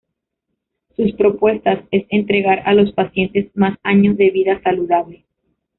Su propuesta es entregar a los pacientes más años de vida saludable.